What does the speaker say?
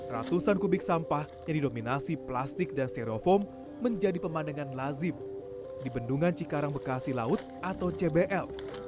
ratusan kubik sampah yang didominasi plastik dan stereofoam menjadi pemandangan lazim di bendungan cikarang bekasi laut atau cbl